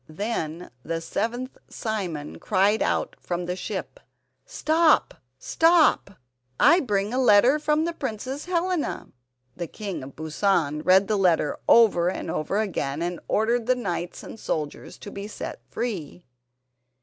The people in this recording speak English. Then the seventh Simon cried out from the ship: "Stop! stop! I bring a letter from the Princess Helena!" The King of Busan read the letter over and over again, and ordered the knights and soldiers to be set free.